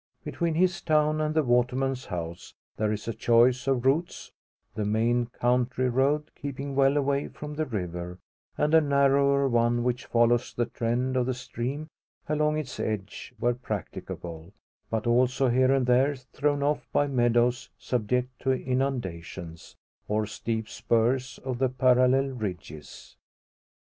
Between his town and the waterman's house there is a choice of routes, the main country road keeping well away from the river, and a narrower one which follows the trend of the stream along its edge where practicable, but also here and there thrown off by meadows subject to inundations, or steep spurs of the parallel ridges.